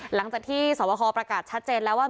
หลังจากที่สวบคอประกาศชัดเจนแล้วว่า